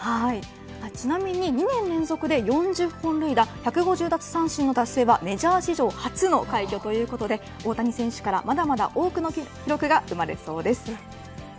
ちなみに２年連続で４０本塁打１５０奪三振の達成はメジャー史上初の快挙ということで大谷選手からまだまだ多くの記録が生まれそうですね。